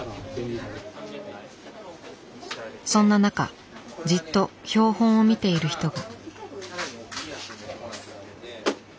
そんな中じっと標本を見ている人が。